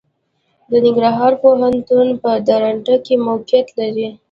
د ننګرهار پوهنتون په درنټه کې موقعيت لري.